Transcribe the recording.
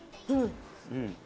うん！